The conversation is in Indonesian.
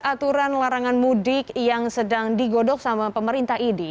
aturan larangan mudik yang sedang digodok sama pemerintah idi